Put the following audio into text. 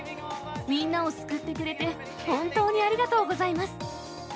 みんなを救ってくれて本当にありがとうございます。